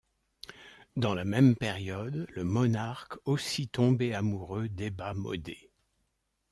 Dans la même période, le monarque aussi tombé amoureux d'Ebba Modée.